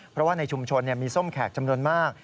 เพราะว่าในชุมชนมีส้มแขกจำนวนมาก